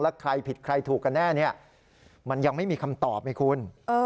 แล้วใครผิดใครถูกกันแน่เนี่ยมันยังไม่มีคำตอบไงคุณ